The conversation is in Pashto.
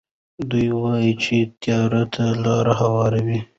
دوی وايي چې تیارو ته لارې هواروي.